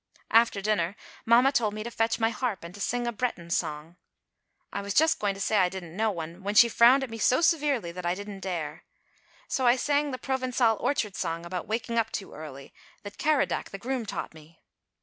After dinner, mamma told me to fetch my harp and to sing a Breton song. I was just going to say I didn't know one, when she frowned at me so severely that I didn't dare. So I sang the Provençal orchard song about waking up too early that Kerodac the groom taught me.